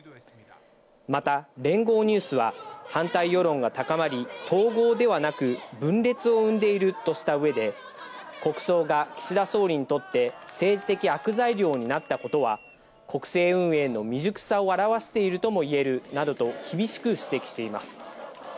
また、聯合ニュースは、反対世論が高まり、統合ではなく分裂を生んでいるとしたうえで、国葬が岸田総理にとって政治的悪材料になったことは、国政運営の未熟さを表しているともいえると、厳しく指摘しています。